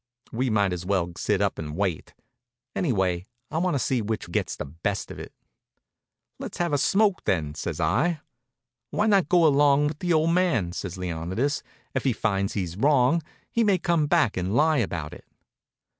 We might as well sit up and wait. Anyway I want to see which gets the best of it." "Let's have a smoke, then," says I. "Why not go along with the old man?" says Leonidas. "If he finds he's wrong he may come back and lie about it."